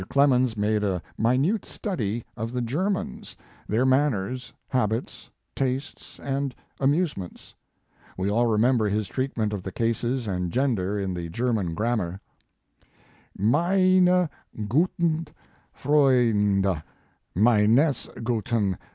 Clemens made a minute study of the Germans, their manners, habits, tastes and amusements. We all remember his treatment of the cases and gender in the German grammar: guten Freunak, Mein^ gut&lt